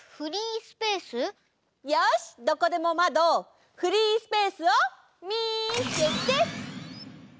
よしどこでもマドフリースペースをみせて！